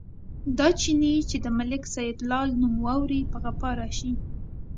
دا چيني چې د ملک سیدلال نوم واوري، په غپا راشي.